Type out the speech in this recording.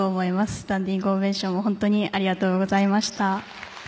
スタンディングオベーションも本当にありがとうございました。